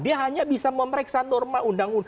dia hanya bisa memeriksa norma undang undang